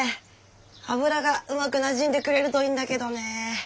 油がうまくなじんでくれるといいんだけどね。